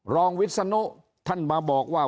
รองวิศนุท่านมาบอกว่า